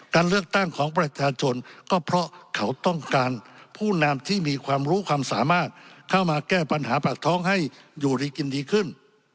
การเลือกตั้งของประชาชนก็เพราะเขาต้องการผู้นำที่มีความรู้ความสามารถเข้ามาแก้ปัญหาปากท้องให้อยู่ดีกินดีขึ้น